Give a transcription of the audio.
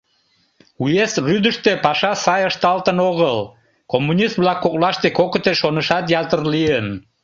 Уезд рӱдыштӧ паша сай ышталтын огыл, коммунист-влак коклаште кокыте шонышат ятыр лийын.